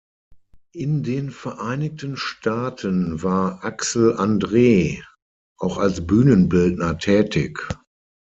In den Vereinigten Staaten war Axel Andree auch als Bühnenbildner tätig.